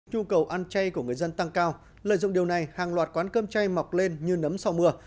nhu cầu ăn chay của người dân tăng cao lợi dụng điều này hàng loạt quán cơm chay mọc lên như nấm sau mưa